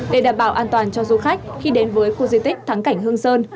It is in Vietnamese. để đảm bảo an toàn cho du khách khi đến với khu di tích thắng cảnh hương sơn